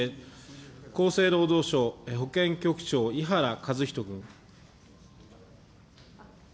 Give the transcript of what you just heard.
厚生労働省、保険局長、伊原和人君。